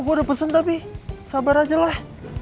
gue udah pesen tapi sabar aja lah